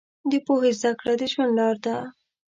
د پوهې زده کړه د ژوند لار ده.